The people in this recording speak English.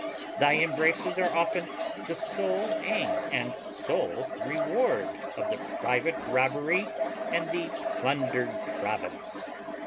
Thy embraces are often the sole aim and sole reward of the private robbery and the plundered province.